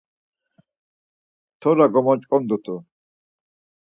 T̆ora gomoç̆k̆ondut̆t̆u.